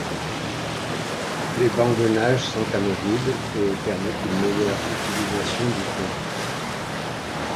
Les bancs de nage sont amovibles et permettent une meilleure utilisation du pont.